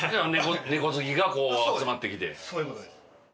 そういう事です。